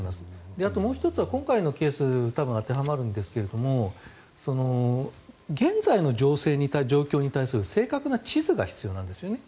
あともう１つは今回のケースに当てはまるんですが現在の状況に対する正確な地図が必要なんですね。